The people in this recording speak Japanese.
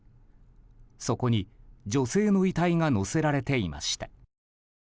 そこに女性の遺体が載せられていました。